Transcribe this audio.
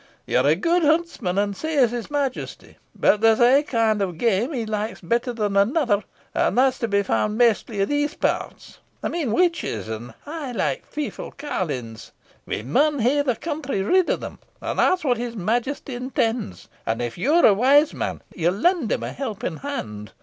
You're a gude huntsman, and sae is his Majesty; but there's ae kind o' game he likes better than anither, and that's to be found maistly i' these pairts I mean witches, and sic like fearfu' carlines. We maun hae the country rid o' them, and that's what his Majesty intends, and if you're a wise man you'll lend him a helping hand.